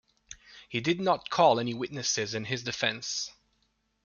He did not call any witnesses in his defense.